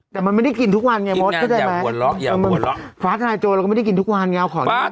แต่มันไม่ได้กินทุกวันไงมดเข้าใจไหมฟ้าทนายโจเราก็ไม่ได้กินทุกวันไงเอาของกิน